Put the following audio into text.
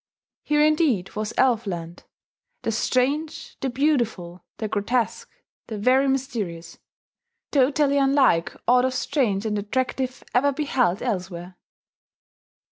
Here indeed was Elf land, the strange, the beautiful, the grotesque, the very mysterious, totally unlike aught of strange and attractive ever beheld elsewhere.